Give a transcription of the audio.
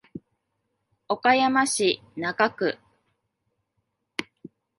岡山市中区